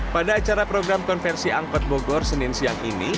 pada acara program konversi angkot bogor senin siang ini